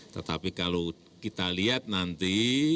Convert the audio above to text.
tetapi kalau kita lihat nanti